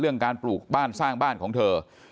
การปลูกบ้านสร้างบ้านของเธอ